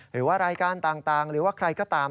หรือว่ารายการต่างหรือว่าใครก็ตาม